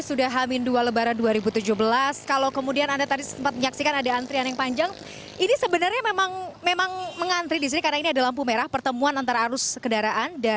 selamat malam indra